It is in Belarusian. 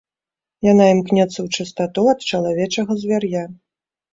Яна імкнецца ў чыстату ад чалавечага звяр'я.